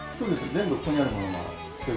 全部ここにあるものは。